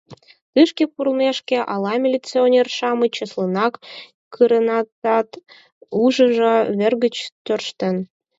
Тышке пурлмешке, ала милиционер-шамыч чеслынак кыренытат, ушыжо вер гыч тӧрштен?